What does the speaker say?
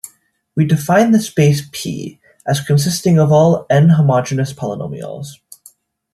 We define the space "P" as consisting of all "n"-homogeneous polynomials.